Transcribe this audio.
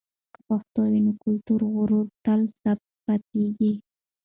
که پښتو وي، نو کلتوري غرور تل ثابت پاتېږي.